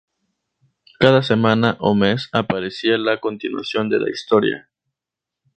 Cada semana o mes aparecía la continuación de la historia.